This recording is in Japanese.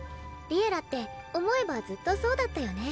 「Ｌｉｅｌｌａ！」って思えばずっとそうだったよね。